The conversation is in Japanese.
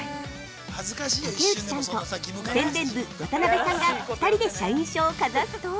◆竹内さんと宣伝部・渡邊さんが２人で社員証をかざすと◆